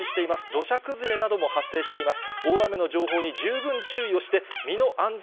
土砂崩れなども発生しています。